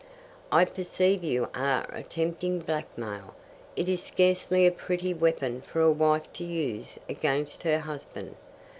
"I perceive you are attempting blackmail. It is scarcely a pretty weapon for a wife to use against her husband.